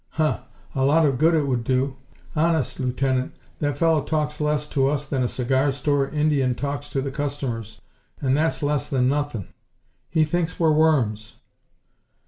"Huh! A lot of good it would do. Honest, Lieutenant, that fellow talks less to us than a cigar store Indian talks to the customers and that's less than nothin'. He thinks we're worms!"